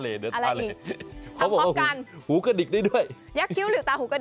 โอ้ยคุณสงสาร